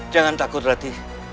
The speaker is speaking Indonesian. jangan takut ratih